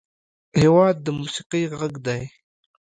هېواد د موسیقۍ غږ دی.